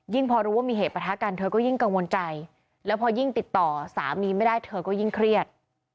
พอรู้ว่ามีเหตุประทะกันเธอก็ยิ่งกังวลใจแล้วพอยิ่งติดต่อสามีไม่ได้เธอก็ยิ่งเครียด